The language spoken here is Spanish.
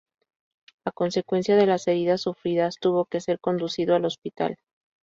A consecuencia de las heridas sufridas tuvo que ser conducido al hospital.